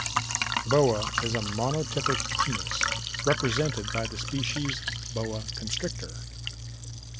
"Boa" is a monotypic genus, represented by the species "Boa constrictor".